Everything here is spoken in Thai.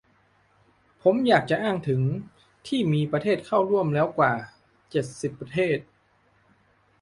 ผมอยากจะอ้างถึง ที่มีประเทศเข้าร่วมแล้วกว่า เจ็ดสิบ ประเทศ